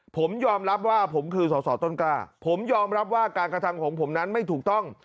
ผมยอมรับว่าผมคือสอสอต้นกล้าผมยอมรับว่าการกระทำของผมนั้นไม่ถูกต้อง